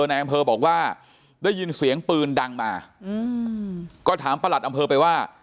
นายอำเภอบอกว่าได้ยินเสียงปืนดังมาอืมก็ถามประหลัดอำเภอไปว่า